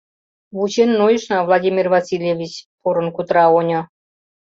— Вучен нойышна, Владимир Васильевич, — порын кутыра оньо.